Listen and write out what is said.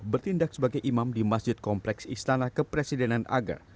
bertindak sebagai imam di masjid kompleks istana kepresidenan ager